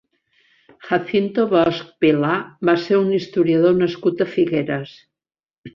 Jacinto Bosch Vilá va ser un historiador nascut a Figueres.